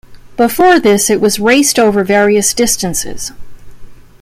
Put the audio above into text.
Before this it was raced over various distances.